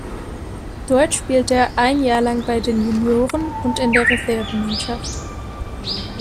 Dort spielte er ein Jahr lang bei den Junioren und in der Reservemannschaft.